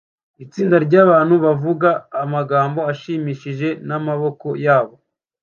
itsinda ryabantu bavuga amagambo ashimishije n'amaboko yabo